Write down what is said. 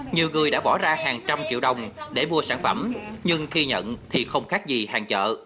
nhiều người đã bỏ ra hàng trăm triệu đồng để mua sản phẩm nhưng khi nhận thì không khác gì hàng chợ